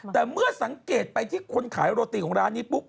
แต่เมื่อสังเกตไปที่คนขายโรตีของร้านนี้ปุ๊บ